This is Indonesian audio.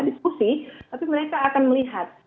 diskusi tapi mereka akan melihat